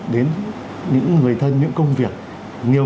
đến những người thân những công việc nhiều